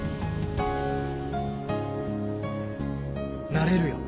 なれるよ。